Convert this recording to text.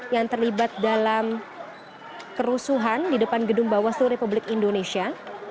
yang terlibat dalam kerusuhan di depan gedung bawaslu republik indonesia